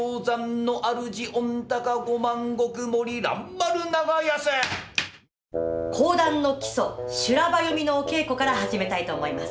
これはたぶんね講談の基礎修羅場読みのお稽古から始めたいと思います。